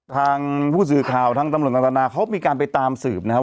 ทางผู้สื่อข่าวทางตำรวจต่างนานาเขามีการไปตามสืบนะครับ